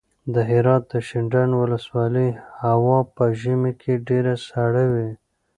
د هرات د شینډنډ ولسوالۍ هوا په ژمي کې ډېره سړه وي.